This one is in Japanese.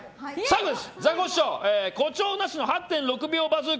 ザコシショウの誇張なしの８．６秒バズーカ。